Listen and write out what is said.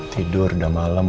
tidur udah malem